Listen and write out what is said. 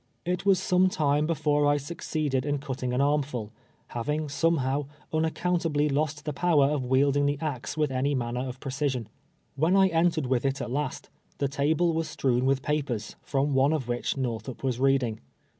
It was some time before I succeeded in cutting an armful, having, somehow, unaccountably lost the power of wielding the axe with any manner of })recision. AVHien I entered Avith it at last, the table was strewn with papers, from one of which Korthup was reading.